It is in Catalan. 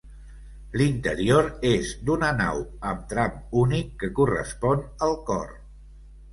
L'interior és d'una nau amb tram únic que correspon al cor.